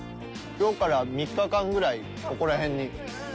今日から３日間ぐらいここら辺に。